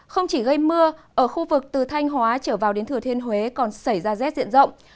không chỉ gây mưa ở khu vực từ thanh hóa trở vào đến thừa thiên huế còn xảy ra rét diện rộng